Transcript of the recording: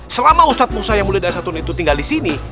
selama ustadz musa yang mulia dari satun itu tinggal disini